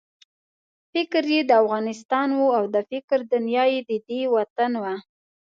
فکر یې د افغانستان وو او د فکر دنیا یې ددې وطن وه.